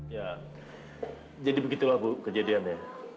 ya jadi begitulah bu kejadiannya